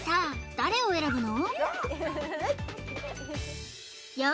誰を選ぶの？